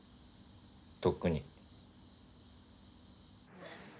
とっくに。